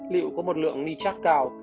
liệu có một lượng nitrat cao